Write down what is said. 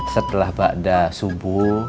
setelah ba'adah subuh